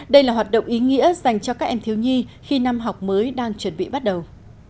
đây là hoạt động ý nghĩa dành cho các em thiếu nhi khi năm học mới đang chuẩn bị bắt đầu